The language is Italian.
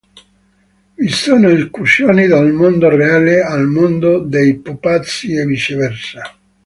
Vi sono incursioni dal "mondo reale" al "mondo dei pupazzi" e viceversa.